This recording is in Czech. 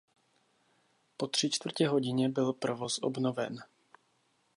Po tři čtvrtě hodině byl provoz obnoven.